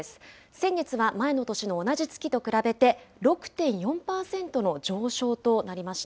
先月は前の年の同じ月と比べて６．４％の上昇となりました。